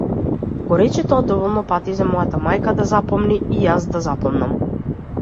Го рече тоа доволно пати за мојата мајка да запомни, и јас да запомнам.